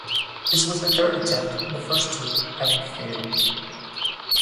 This was the third attempt, the first two having failed.